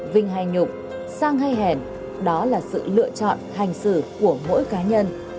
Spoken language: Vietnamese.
vinh hay nhục sang hay hẻm đó là sự lựa chọn hành xử của mỗi cá nhân